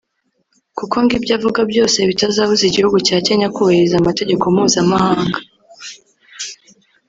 kuko ngo ibyo bavuga byose bitabuza igihugu cya Kenya kubahiriza amategeko mpuzamahanga